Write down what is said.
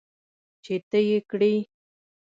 چې ته یې کرې .